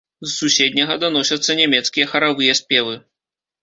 З суседняга даносяцца нямецкія харавыя спевы.